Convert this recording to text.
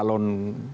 saya juga tidak suka